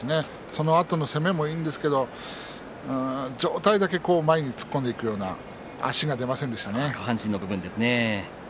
そのあとの攻めもいいんですが上体だけ前に突っ込んでいくような足が出ませんでしたね。